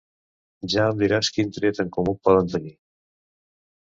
Ja em diràs quin tret en comú poden tenir.